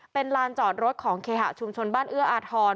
เป็นลานจอดรถของเคหะชุมชนบ้านเอื้ออาทร